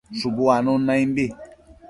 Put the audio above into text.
Shubu uanun naimbi